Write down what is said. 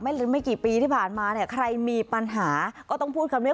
ไม่กี่ปีที่ผ่านมาเนี่ยใครมีปัญหาก็ต้องพูดคำเนี้ย